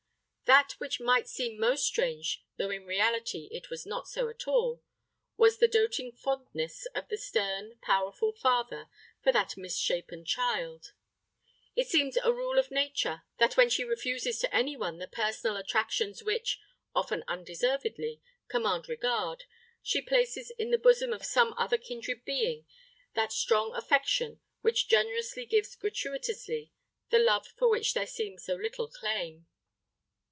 That which might seem most strange, though in reality it was not so at all, was the doting fondness of the stern, powerful father for that misshapen child. It seems a rule of Nature, that where she refuses to any one the personal attractions which, often undeservedly, command regard, she places in the bosom of some other kindred being that strong affection which generously gives gratuitously the love for which there seems so little claim.